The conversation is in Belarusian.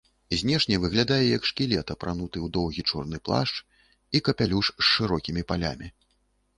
Знешне выглядае як шкілет, апрануты ў доўгі чорны плашч і капялюш з шырокімі палямі.